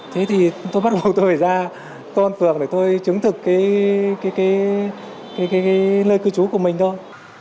thế thì tôi bắt buộc tôi phải ra công an phường để tôi chứng thực cái nơi cư trú của mình thôi